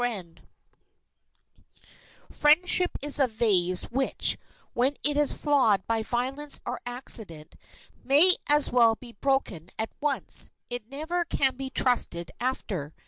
Friendship is a vase which, when it is flawed by violence or accident, may as well be broken at once; it never can be trusted after.